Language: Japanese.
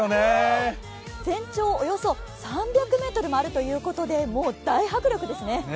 全長およそ３００ｍもあるということで大迫力ですね。